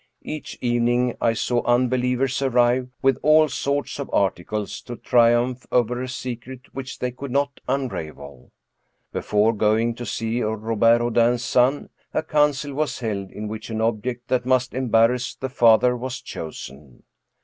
Each evening I saw unbe lievers arrive with all sorts of articles to triumph over a secret which they could not unravel. Before going to see Robert Houdin's son a council was held, in which an object that must embarrass the father was chosen.